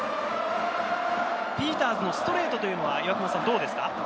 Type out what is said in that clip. ピーターズのストレートというのはどうですか？